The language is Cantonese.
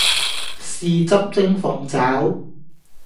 豉汁蒸鳳爪